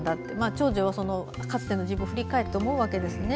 長女はかつての自分を振り返って思うわけですね。